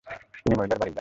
তিনি মহিলার বাড়ি যান।